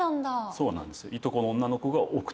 そうなんです。